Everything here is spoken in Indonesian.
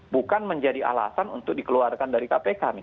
bukan menjadi alasan untuk dikeluarkan dari kpk